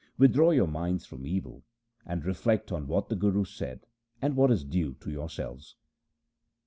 Withdraw your minds from evil, and reflect on what the Guru said and what is due to yourselves.'